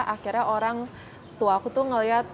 akhirnya orang tuaku tuh ngeliat